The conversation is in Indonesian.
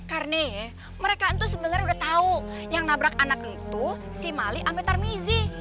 karena mereka itu sebenarnya sudah tahu yang labrak anak itu si mali sama tarmizi